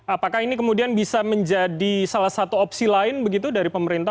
apakah ini kemudian bisa menjadi salah satu opsi lain begitu dari pemerintah